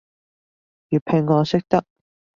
粵拼我識得